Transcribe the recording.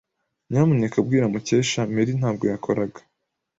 Nyamuneka bwira Mukesha Mary ntabwo yakoraga